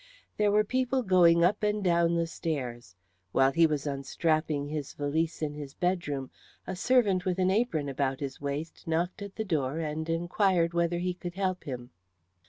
There were people going up and down the stairs. While he was unstrapping his valise in his bedroom, a servant with an apron about his waist knocked at the door and inquired whether he could help him.